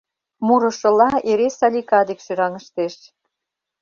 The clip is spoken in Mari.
Мурышыла, эре Салика дек шӱраҥыштеш.